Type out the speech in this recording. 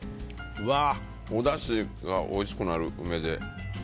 おだしがおいしくなる、梅で。